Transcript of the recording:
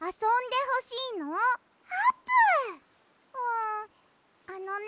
んあのね